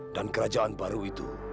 dan kerajaan baru itu